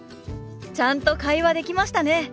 ちゃんと会話できましたね！